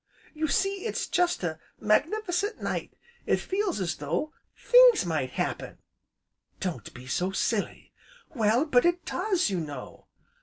"You see, it's such a magnif'cent night! It feels as though things might happen!" "Don't be so silly!" "Well, but it does, you know."